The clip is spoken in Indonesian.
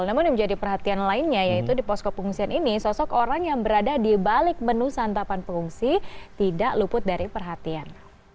namun yang menjadi perhatian lainnya yaitu di posko pengungsian ini sosok orang yang berada di balik menu santapan pengungsi tidak luput dari perhatian